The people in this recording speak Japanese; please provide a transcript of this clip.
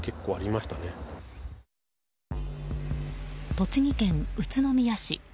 栃木県宇都宮市。